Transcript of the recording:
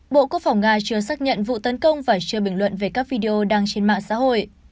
bộ quốc phòng nga chưa xác nhận vụ tấn công và chưa bình luận về các video đăng trên mạng xã hội